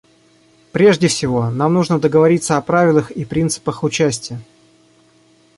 Прежде всего, нам нужно договориться о правилах и принципах участия.